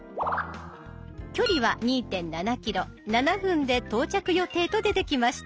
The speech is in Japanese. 距離は２．７ｋｍ７分で到着予定と出てきました。